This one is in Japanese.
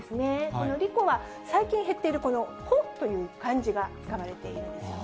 この莉子は、最近減っているこの子という漢字が使われているんですよね。